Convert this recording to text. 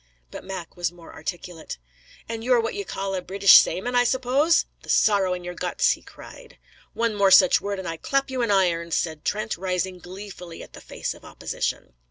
But Mac was more articulate. "And you're what ye call a British sayman, I suppose? the sorrow in your guts!" he cried. "One more such word, and I clap you in irons!" said Trent, rising gleefully at the face of opposition.